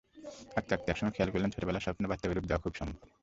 আঁকতে আঁকতে একসময় খেয়াল করলেন, ছোটবেলার স্বপ্ন বাস্তবে রূপ দেওয়া খুব সম্ভব।